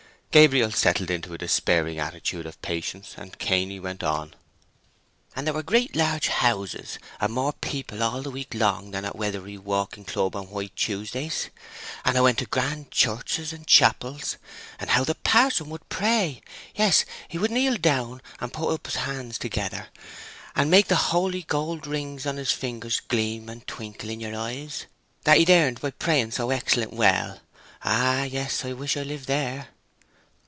Gabriel settled into a despairing attitude of patience, and Cainy went on:— "And there were great large houses, and more people all the week long than at Weatherbury club walking on White Tuesdays. And I went to grand churches and chapels. And how the parson would pray! Yes; he would kneel down and put up his hands together, and make the holy gold rings on his fingers gleam and twinkle in yer eyes, that he'd earned by praying so excellent well!—Ah yes, I wish I lived there."